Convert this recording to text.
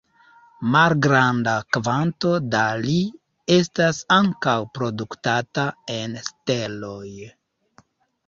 Malgranda kvanto da Li estas ankaŭ produktata en steloj.